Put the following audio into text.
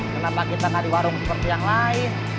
kenapa kita cari warung seperti yang lain